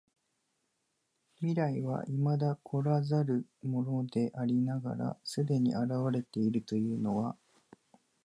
未来は未だ来らざるものでありながら既に現れているというのは、